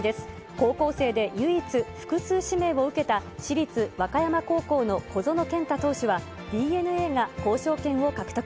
高校生で唯一、複数指名を受けた市立和歌山高校の小園健太投手は、ＤｅＮＡが交渉権を獲得。